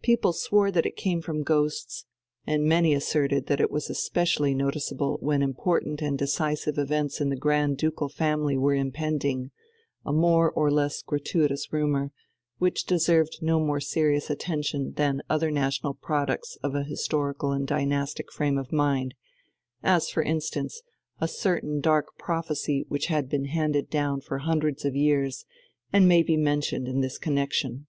People swore that it came from ghosts, and many asserted that it was especially noticeable when important and decisive events in the Grand Ducal family were impending, a more or less gratuitous rumour, which deserved no more serious attention than other national products of an historical and dynastic frame of mind, as for instance a certain dark prophecy which had been handed down for hundreds of years and may be mentioned in this connexion.